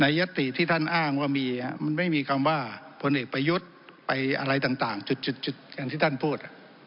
ยัตติที่ท่านอ้างว่ามีมันไม่มีคำว่าพลเอกประยุทธ์ไปอะไรต่างจุดอย่างที่ท่านพูด